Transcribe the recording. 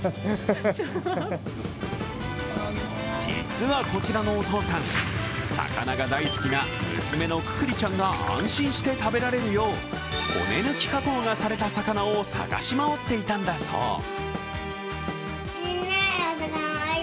実はこちらのお父さん、魚が大好きな娘のくくりちゃんが安心して食べられるよう骨抜き加工がされた魚を探し回っていたんだそう。